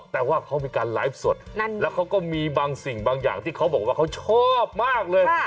แต่ว่าเขามีการไลฟ์สดแล้วเขาก็มีบางสิ่งบางอย่างที่เขาบอกว่าเขาชอบมากเลย